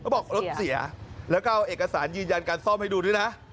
บอกที่เหลียดแล้วเขายินยันการซ่อมให้ดูด้วยนะคะ